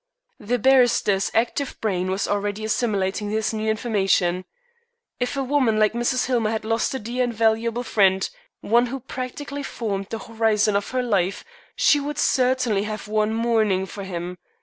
The barrister's active brain was already assimilating this new information. If a woman like Mrs. Hillmer had lost a dear and valuable friend one who practically formed the horizon of her life she would certainly have worn mourning for him.